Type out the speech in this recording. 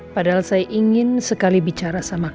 padahal saya ingin sekali bicara sama kami